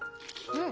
うん。